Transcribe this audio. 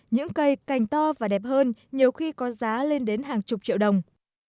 những cây cành to và đẹp hơn nhiều khi có giá lên đến hàng chục triệu đồng